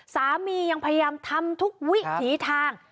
สามียังพยายามทำทุกวิถีทาง